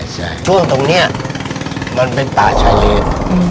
ใช่ช่วงตรงเนี้ยมันเป็นป่าชายเลน